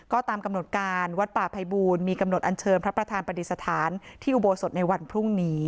ก็ตามกำหนดการวัดป่าภัยบูลมีกำหนดอันเชิญพระประธานปฏิสถานที่อุโบสถในวันพรุ่งนี้